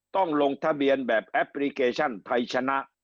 ต้องลงทะเบียนแบบแอปพลิเคชันไทยชนะ